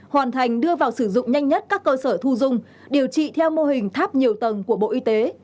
hoàn thành đưa vào sử dụng nhanh nhất các cơ sở thu dung điều trị theo mô hình tháp nhiều tầng của bộ y tế